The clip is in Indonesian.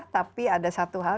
tapi ada satu hal